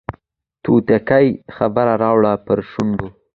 توتکۍ خبره راوړله پر شونډو